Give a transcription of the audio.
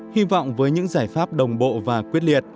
hy vọng với những giải pháp đồng bộ và quyết liệt